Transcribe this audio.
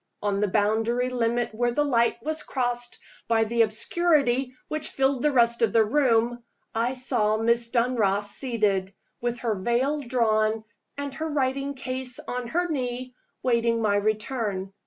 On the boundary limit where the light was crossed by the obscurity which filled the rest of the room, I saw Miss Dunross seated, with her veil drawn and her writing case on her knee, waiting my return.